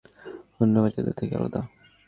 অন্য বাচ্চাদের থেকে আলাদা।